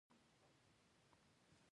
افغانستان د خاوره لپاره مشهور دی.